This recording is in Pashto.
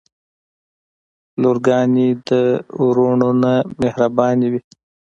لورګانې د وروڼه نه مهربانې وی.